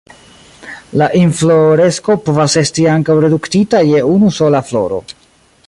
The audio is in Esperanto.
La infloresko povas esti ankaŭ reduktita je unu sola floro.